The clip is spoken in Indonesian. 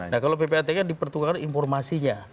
nah kalau ppat kan dipertukarkan informasinya